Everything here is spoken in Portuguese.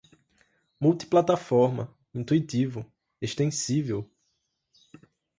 multiplataforma, intuitivo, extensível